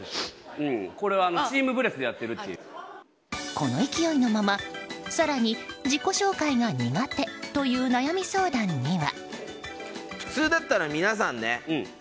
この勢いのまま更に、自己紹介が苦手という悩み相談には？